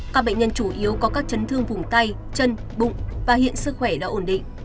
các bệnh nhân chủ yếu có các chấn thương vùng tay chân bụng và hiện sức khỏe đã ổn định